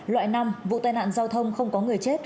loại năm vụ tai nạn giao thông không có người chết